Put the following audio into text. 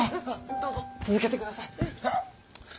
どうぞ続けて下さい。